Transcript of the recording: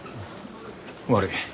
悪い。